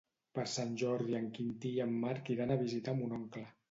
Per Sant Jordi en Quintí i en Marc iran a visitar mon oncle.